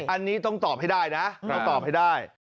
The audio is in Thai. อันนี้ต้องตอบให้ได้นะเราตอบให้ได้